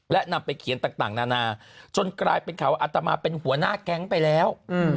และนำไปเขียนต่างนานาจนกลายเป็นข่าวว่าอัตมาเป็นหัวหน้าแก๊งไปแล้ว